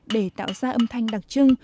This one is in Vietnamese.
để tạo ra âm thanh đặc trưng